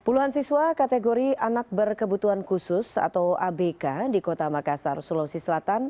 puluhan siswa kategori anak berkebutuhan khusus atau abk di kota makassar sulawesi selatan